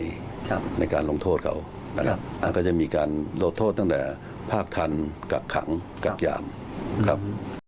ในการลงโทษเขานะครับอ่าก็จะมีการลดโทษตั้งแต่ภาคทันกักขังกักยามครับ